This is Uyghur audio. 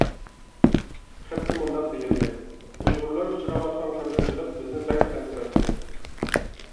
خەتتە مۇنداق دېيىلگەن: ئۇيغۇرلار ئۇچراۋاتقان قىرغىنچىلىق بىزنى بەك ئەنسىرەتتى.